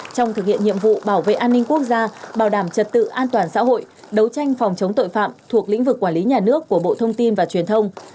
trong thực hiện nhiệm vụ bảo vệ an ninh quốc gia bảo đảm trật tự an toàn xã hội đấu tranh phòng chống tội phạm thuộc lĩnh vực quản lý nhà nước của bộ thông tin và truyền thông